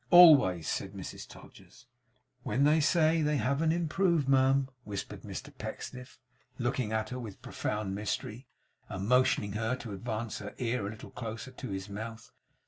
'Always,' said Mrs Todgers. 'When they say they haven't improved, ma'am,' whispered Mr Pecksniff, looking at her with profound mystery, and motioning to her to advance her ear a little closer to his mouth.